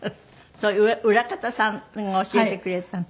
そういう裏方さんが教えてくれたの？